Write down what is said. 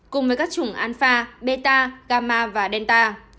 cùng với các chủng alpha beta gamma và delta